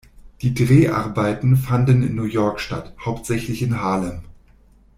Die Dreharbeiten fanden in New York statt, hauptsächlich in Harlem.